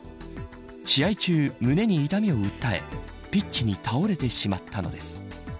試合中、胸に痛みを訴えピッチに倒れてしまったのです。